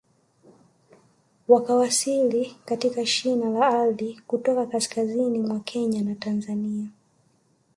Wakiwasili katika shina la ardhi kutoka kaskazini mwa Kenya na Tanzania